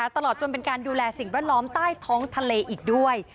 ตลอดจนเป็นการดูแลสิ่งแวดล้อมใต้ท้องทะเลอีกด้วย